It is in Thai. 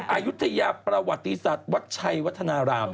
อายุทยาประวัติศาสตร์วัดชัยวัฒนาราม